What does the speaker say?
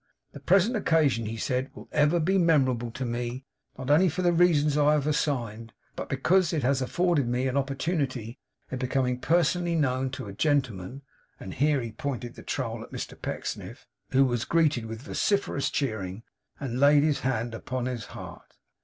'The present occasion,' he said, 'will ever be memorable to me; not only for the reasons I have assigned, but because it has afforded me an opportunity of becoming personally known to a gentleman ' Here he pointed the trowel at Mr Pecksniff, who was greeted with vociferous cheering, and laid his hand upon his heart.